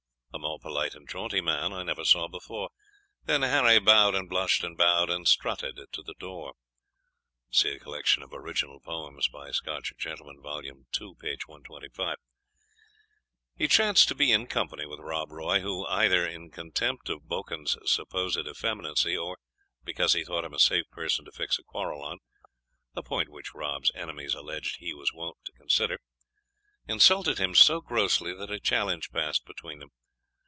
A more polite and jaunty man I never saw before:' Then Harry bowed, and blushed, and bowed, And strutted to the door." See a Collection of original Poems, by Scotch Gentlemen, vol. ii. p. 125. He chanced to be in company with Rob Roy, who, either in contempt of Boquhan's supposed effeminacy, or because he thought him a safe person to fix a quarrel on (a point which Rob's enemies alleged he was wont to consider), insulted him so grossly that a challenge passed between them.